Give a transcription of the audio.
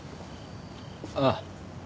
ああ。